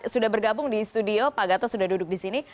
sudah bergabung di studio pak gatot sudah duduk di sini